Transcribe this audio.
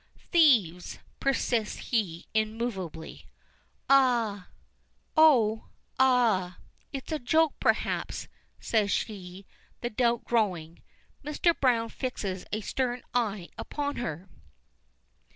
"Thieves," persists he immovably. "Oh! Ah! It's a joke perhaps," says she, the doubt growing. Mr. Browne fixes a stern eye upon her.